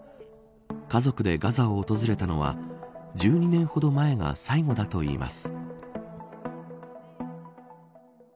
家族でガザを訪れたのは１２年ほど前が最後だといいます。